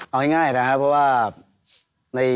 เอาง่ายนะครับเพราะว่า